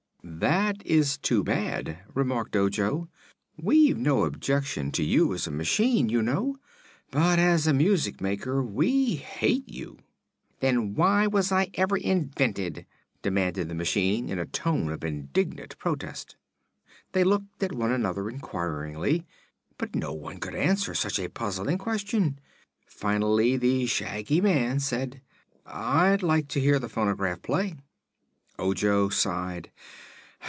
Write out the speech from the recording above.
"That is too bad," remarked Ojo. "We've no objection to you as a machine, you know; but as a music maker we hate you." "Then why was I ever invented?" demanded the machine, in a tone of indignant protest. They looked at one another inquiringly, but no one could answer such a puzzling question. Finally the Shaggy Man said: "I'd like to hear the phonograph play." Ojo sighed.